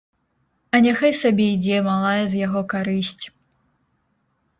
А няхай сабе ідзе, малая з яго карысць.